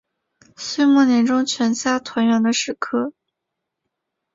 岁末年终全家团圆的时刻